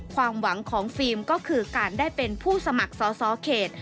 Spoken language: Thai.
ความหวังของฟิล์มก็คือการได้เป็นผู้สมัครสอสอเขต